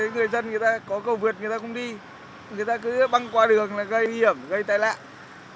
người dân có cầu vượt người ta cũng đi người ta cứ băng qua đường là gây nguy hiểm gây tai nạn